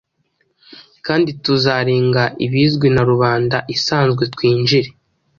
kandi tuzarenga ibizwi na rubanda isanzwe twinjire